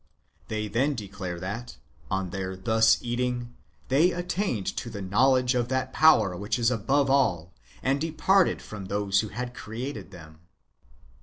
They then declare that, on their thus eating, they attained to the knowledge of that power which is above all, and departed from those who had created them.